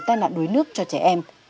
tài nạn đuối nước cho trẻ em